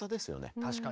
確かに。